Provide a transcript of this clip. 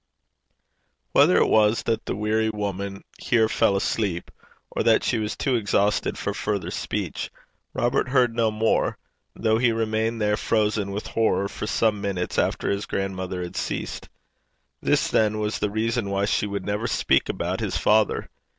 Whether it was that the weary woman here fell asleep, or that she was too exhausted for further speech, Robert heard no more, though he remained there frozen with horror for some minutes after his grandmother had ceased. This, then, was the reason why she would never speak about his father!